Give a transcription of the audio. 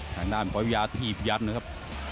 ข้างด้านปลอยวิยาทีบยัดนะครับ